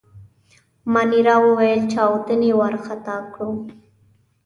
مانیرا وویل: چاودنې وارخطا کړو.